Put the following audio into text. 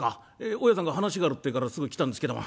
大家さんが話があるってえからすぐ来たんですけども」。